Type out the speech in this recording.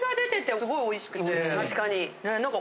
確かに。